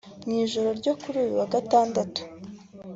Mu ijoro ryo kuri uyu wa Gatandatu